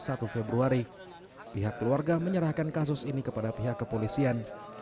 pada satu februari pihak keluarga menyerahkan kasus ini kepada pihak kepolisian